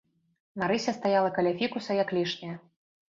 Марыся стаяла каля фікуса як лішняя.